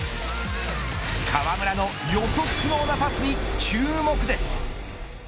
河村の予測不能なパスに注目です。